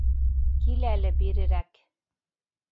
Кил әле бирерәк.